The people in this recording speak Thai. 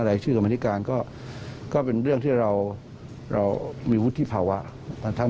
รายชื่อกรรมนิการก็เป็นเรื่องที่เรามีวุฒิภาวะนะครับ